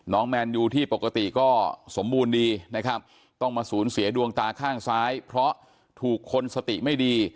แมนยูที่ปกติก็สมบูรณ์ดีนะครับต้องมาสูญเสียดวงตาข้างซ้ายเพราะถูกคนสติไม่ดี